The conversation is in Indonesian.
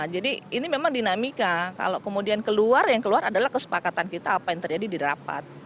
jadi ini memang dinamika kalau kemudian keluar yang keluar adalah kesepakatan kita apa yang terjadi di rapat